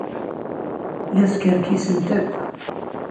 La skerkisent akk.